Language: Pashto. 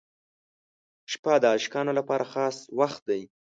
• شپه د عاشقانو لپاره خاص وخت دی.